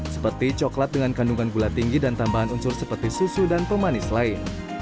seperti coklat dengan kandungan gula tinggi dan tambahan unsur seperti susu dan pemanis lain